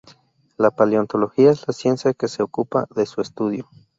La paleontología es la ciencia que se ocupa de su estudio.